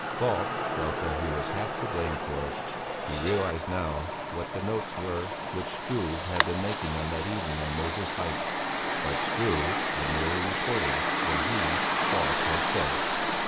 Falk felt that he was half to blame for it; he realized now what the notes were which Struve had been making on that evening on Moses Height. But Struve had merely reported what he, Falk, had said.